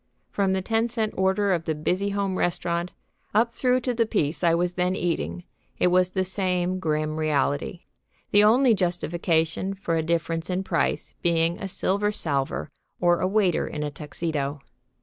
From the ten cent order of the Busy Home Restaurant, up through to the piece I was then eating, it was the same grim reality, the only justification for a difference in price being a silver salver or a waiter in a tuxedo.